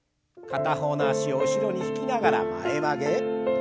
片方の脚を後ろに引きながら前曲げ。